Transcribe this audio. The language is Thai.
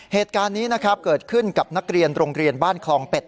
เหตุการณ์นี้นะครับเกิดขึ้นกับนักเรียนโรงเรียนบ้านคลองเป็ด